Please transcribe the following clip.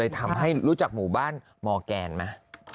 ทำให้รู้จักหมู่บ้านหมอแกนมา